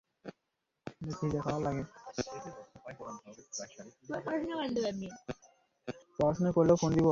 এতে রক্ষা পায় বরাম হাওরের প্রায় সাড়ে তিন হাজার হেক্টর জমির ধান।